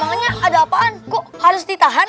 ya memangnya ada apaan kok harus ditahan